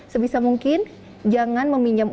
sebisa mungkin jangan meminjam